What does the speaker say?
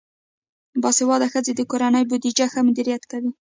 باسواده ښځې د کورنۍ بودیجه ښه مدیریت کوي.